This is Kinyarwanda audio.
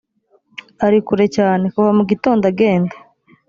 ari kure cyane kuva mu gitondo agenda